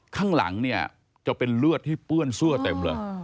ข้างหลังเนี่ยจะเป็นเลือดที่เปื้อนซั่วเต็มเลย